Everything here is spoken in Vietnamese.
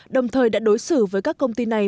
đồng thời đã đối xử với các công ty này